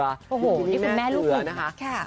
โอ้โหนี่คุณแม่ลูกหนึ่งนะคะ